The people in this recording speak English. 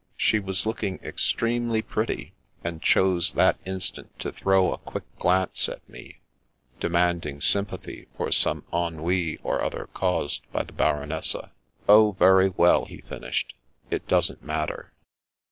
She was looking ex tremely pretty, and chose that instant to throw a quick glance at me, demanding sympathy for some ennui or other caused by the Baronessa. " Oh, very well," he finished, " it doesn't matter."